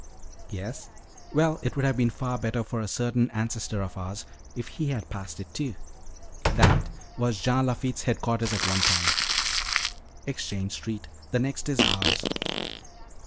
"Yes? Well, it would have been better for a certain ancestor of ours if he had passed it, too. That was Jean Lafitte's headquarters at one time. Exchange Street the next is ours."